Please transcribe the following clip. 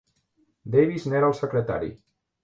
Davies n'era el secretari.